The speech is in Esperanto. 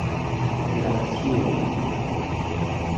operaciumo